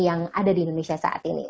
yang ada di indonesia saat ini